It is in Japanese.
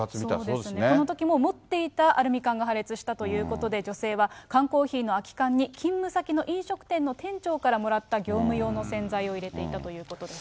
このときも、持っていたアルミ缶が破裂したということで、女性は缶コーヒーの空き缶に勤務先の飲食店の店長からもらった業務用の洗剤を入れていたということです。